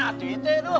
aduh itu itu